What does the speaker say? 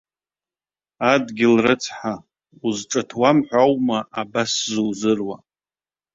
Адгьыл рыцҳа, узҿыҭуам ҳәа аума абас зузыруа?!